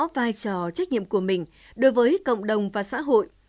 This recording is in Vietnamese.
vai trò trách nhiệm của mình đối với cộng đồng và xã hội